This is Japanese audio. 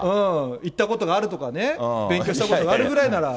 行ったことがあるとかね、勉強したことがあるぐらいなら。